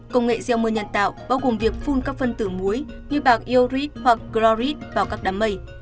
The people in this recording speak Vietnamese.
công nghệ gieo mưa nhân tạo bao gồm việc phun các phân tử muối như bạc iorit hoặc glorid vào các đám mây